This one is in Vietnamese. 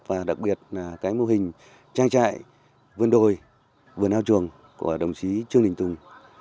và đặc biệt là cái mô hình trang trại vườn đồi vườn ao chuồng của đồng chí trương đình tùng